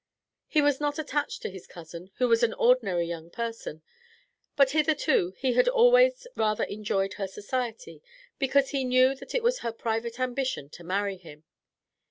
He was not attached to his cousin, who was an ordinary young person, but hitherto he had always rather enjoyed her society, because he knew that it was her private ambition to marry him.